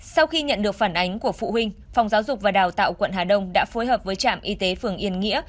sau khi nhận được phản ánh của phụ huynh phòng giáo dục và đào tạo quận hà đông đã phối hợp với trạm y tế phường yên nghĩa